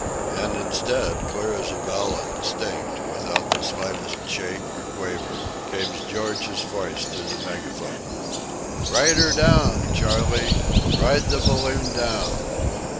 And instead, clear as a bell and distinct, without the slightest shake or quaver, came George's voice through the megaphone: "Ride her down, Charley! Ride the balloon down!"